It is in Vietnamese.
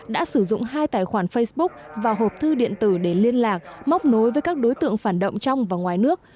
đã sử dụng hai tài khoản facebook và hộp thư điện tử để liên lạc móc nối với các đối tượng phản động trong và ngoài nước